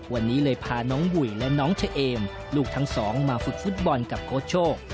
วันนี้เลยพาน้องบุ๋ยและน้องเฉเอมลูกทั้งสองมาฝึกฟุตบอลกับโค้ชโชค